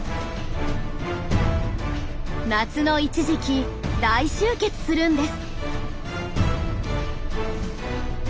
夏の一時期大集結するんです。